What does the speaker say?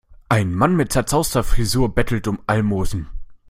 Ein Mann mit zerzauster Frisur bettelt um Almosen.